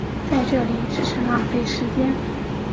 在这里只是浪费时间